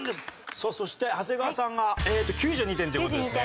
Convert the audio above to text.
さあそして長谷川さんが９２点という事ですね。